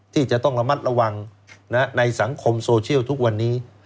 ที่จะต้องระมัดระวังในสังคมโซเชียลทุกวันนี้